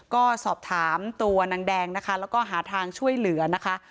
ก็สอบถามตัวนางแดงนะคะแล้วก็หาทางช่วยเหลือนะคะ